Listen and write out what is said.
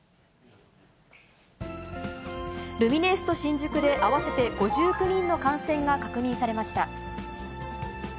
ルミネエスト新宿で合わせて５９人の感染が確認されました。